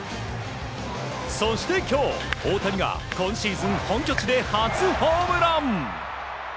そして今日、大谷が今シーズン本拠地で初ホームラン！